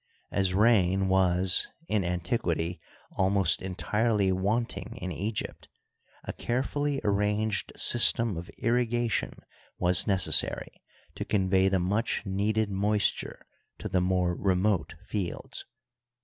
As rain was in antiquity almost entirely want ing in Egypt, a carefully arranged system of irrigation was necessary to convey the much needed moisture to the more remote fields.